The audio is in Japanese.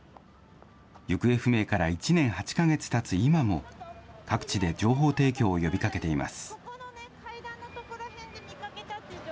行方不明から１年８か月たつ今も、各地で情報提供を呼びかけています。